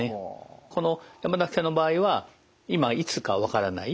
この山崎さんの場合は今いつかわからない。